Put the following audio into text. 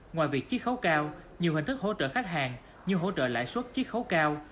ngoài việc chiếc khấu cao nhiều hình thức hỗ trợ khách hàng như hỗ trợ lại xuất chiếc khấu cao